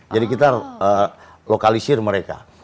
jadi kita lokalisir mereka